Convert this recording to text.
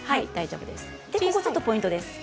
ポイントです。